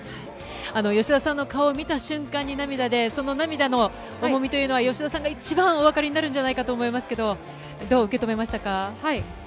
吉田さんの顔を見た瞬間に涙で、その涙の重みというのは、吉田さんが一番お分かりになるんじゃないかと思いますけれども、どう受け止めましたか？